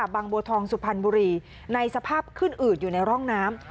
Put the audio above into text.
บัวทองสุพรรณบุรีในสภาพขึ้นอืดอยู่ในร่องน้ำ